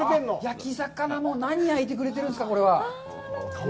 焼き魚も、何焼いてくれてるんですか、これは。